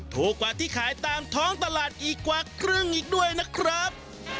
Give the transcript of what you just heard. ถูกกว่าที่ขายตามท้องตลาดอีกกว่าครึ่งอีกด้วยนะครับ